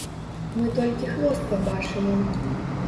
Мы толькі хвост пабачылі.